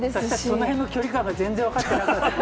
そのへんの距離感が全然分かってなかった。